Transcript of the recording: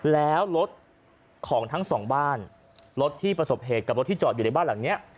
แล้วรถของทั้งสองบ้านรถที่ประสบเหตุกับรถที่จอดอยู่ในบ้านหลังนี้